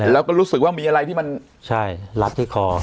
แล้วก็รู้สึกว่ามีอะไรที่มันรัดที่คอ